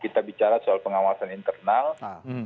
kita bicara juga soal sejauh mana peran kementerian dalam negeri di sini